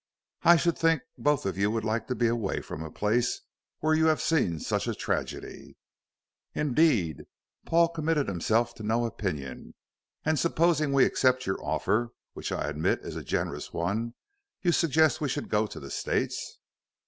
"I should think both of you would like to be away from a place where you have seen such a tragedy." "Indeed." Paul committed himself to no opinion. "And, supposing we accept your offer, which I admit is a generous one, you suggest we should go to the States."